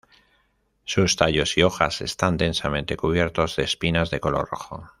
Sus tallos y hojas están densamente cubiertos de espinas de color rojo.